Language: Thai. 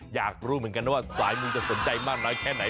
อยากรู้เหมือนกันว่าสายมูจะสนใจมากน้อยแค่ไหน